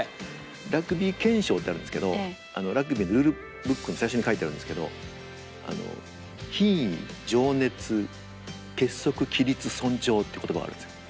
ラグビー憲章ってあるんですけどラグビーのルールブックに最初に書いてあるんですけどって言葉があるんですよ。